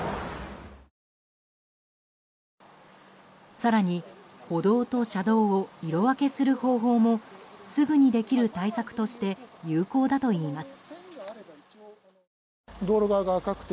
更に歩道と車道を色分けする方法もすぐにできる対策として有効だといいます。